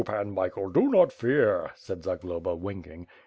Pan Michael, do not fear," said Zagloba, winking.